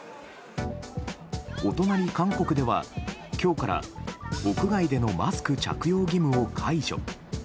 お隣、韓国では、今日から屋外でのマスク着用義務を解除。